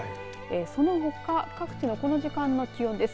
そのほか各地のこの時間の気温です。